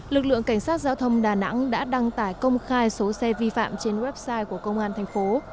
lực lượng cảnh sát giao thông đà nẵng đã đăng tải công khai số xe vi phạm trên website của công an thành phố